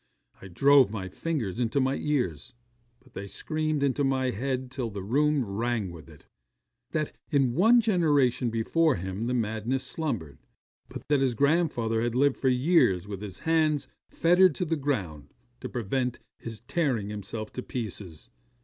I drove my fingers into my ears, but they screamed into my head till the room rang with it, that in one generation before him the madness slumbered, but that his grandfather had lived for years with his hands fettered to the ground, to prevent his tearing himself to pieces.